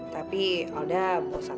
tapi alda bosan aja sama kehidupan di kampung